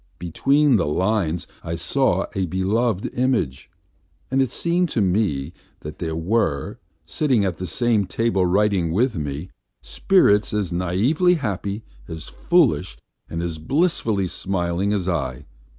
Between the lines I saw a beloved image, and it seemed to me that there were, sitting at the same table writing with me, spirits as naïvely happy, as foolish, and as blissfully smiling as I.